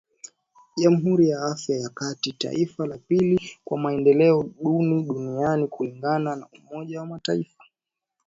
Jamhuri ya Afrika ya kati, taifa la pili kwa maendeleo duni duniani kulingana na umoja wa mataifa